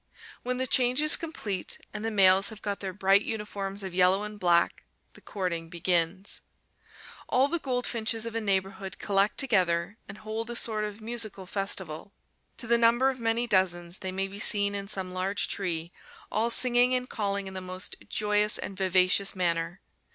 When the change is complete, and the males have got their bright uniforms of yellow and black, the courting begins. All the goldfinches of a neighborhood collect together and hold a sort of musical festival. To the number of many dozens they may be seen in some large tree, all singing and calling in the most joyous and vivacious manner.